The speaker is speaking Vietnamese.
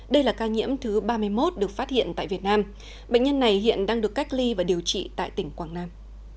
đây là ca nhiễm thứ ba mươi một được phát hiện tại việt nam bệnh nhân này hiện đang được cách ly và điều trị tại tỉnh quảng nam